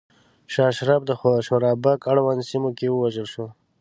شاه اشرف د شورابک اړونده سیمو کې ووژل شو.